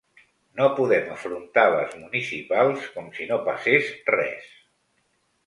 No podem afrontar les municipals com si no passés res.